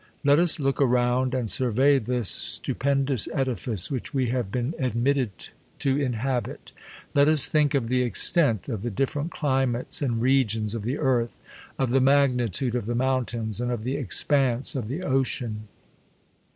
Let us look around, and survey thU stupendous edifice: which we have been admitted to inhabit. L^t us think of the extent of the different climates and regions of the earth ; of the mag nitude of the mount?. ins, and ©f the expanse cf the ocean.